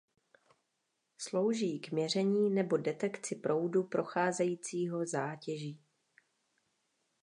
Slouží k měření nebo detekci proudu procházejícího zátěží.